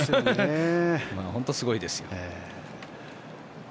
本当にすごいですよ。